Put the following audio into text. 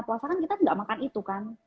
puasa kan kita tidak makan itu kan